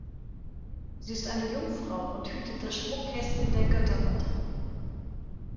Sie ist eine Jungfrau und hütet das Schmuckkästchen der Göttermutter.